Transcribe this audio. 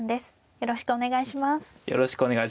よろしくお願いします。